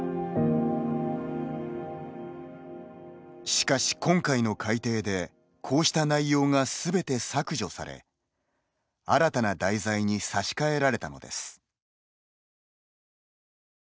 しかし今回の改訂でこうした内容がすべて削除され新たな題材に差し替えられたのです。